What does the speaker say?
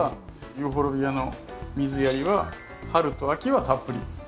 ユーフォルビアの水やりは春と秋はたっぷり。